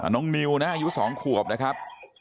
น้องนิวนะชิบสองขวบนะครับ